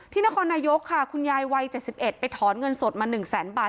นครนายกค่ะคุณยายวัย๗๑ไปถอนเงินสดมา๑แสนบาท